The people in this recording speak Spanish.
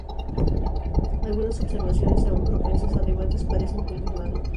Algunas observaciones aún propensas a debates parecen confirmarlo.